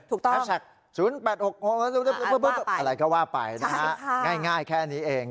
ถูกต้องอะไรก็ว่าไปนะฮะง่ายแค่นี้เอง